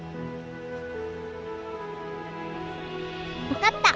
分かった！